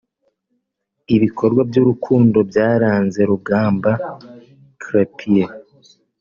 Ibikorwa by’urukundo byaranze Rugamba Cyprien